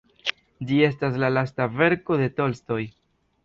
Ĝi estas la lasta verko de Tolstoj.